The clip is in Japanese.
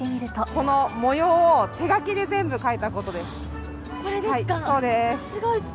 この模様を手書きで全部描いこれですか？